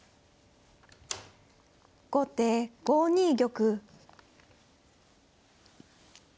後手５二玉。